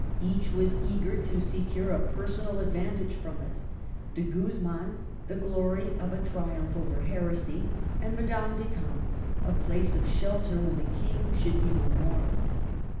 Each was eager to secure a personal advantage from it, — De Guz man the glory of a triumph over heresy, and Madame d'Etampes a place of shelter when the King should be no more.